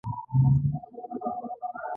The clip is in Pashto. د مډال او نښان ورکول هم شتون لري.